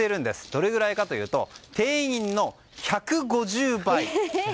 どれぐらいかというと定員の１５０倍。